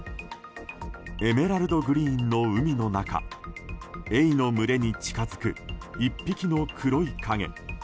エメラルドグリーンの海の中エイの群れに近づく１匹の黒い影。